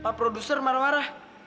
pak produser marwara